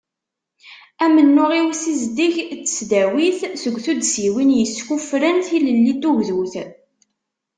Amennuɣ i usizdeg n tesdawit seg tuddsiwin yeskuffren tilelli d tugdut.